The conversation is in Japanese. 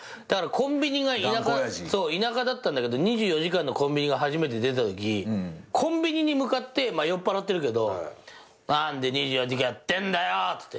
だからコンビニが田舎だったんだけど２４時間のコンビニが初めて出たときコンビニに向かってまあ酔っぱらってるけど「何で２４時間やってんだよ！